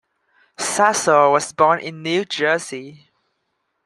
Sasso was born in New Jersey.